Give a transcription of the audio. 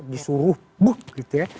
disuruh buh gitu ya